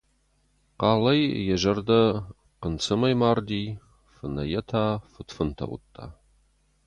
Хъалӕй йӕ зӕрдӕ хъынцъымӕй марди, фынӕйӕ та фыдфынтӕ уыдта.